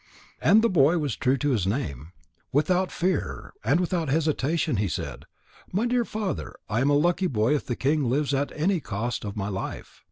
And the boy was true to his name. Without fear and without hesitation he said: "My dear father, I am a lucky boy if the king lives at the cost of my life.